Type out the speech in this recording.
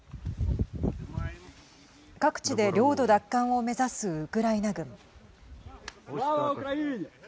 各地で領土奪還を目指すウクライナ軍。